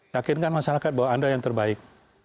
yakinkan masyarakat bahwa anda yang terbaik